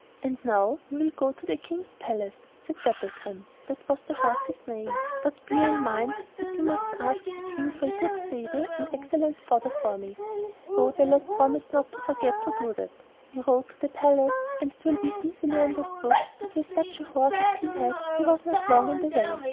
'And now we will go to the King's palace,' said Dapplegrim—that was the horse's name, 'but bear in mind that you must ask the King for a good stable and excellent fodder for me.' So the lad promised not to forget to do that. He rode to the palace, and it will be easily understood that with such a horse as he had he was not long on the way.